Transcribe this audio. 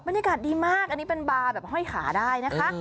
บรรยากาศดีมากอันนี้เป็นบาร์แบบห้อยขาได้นะคะ